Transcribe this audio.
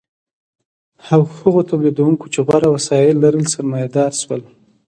هغو تولیدونکو چې غوره وسایل لرل سرمایه دار شول.